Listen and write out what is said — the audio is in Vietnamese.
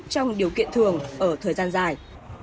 trong điều kiện thường ở thời gian dài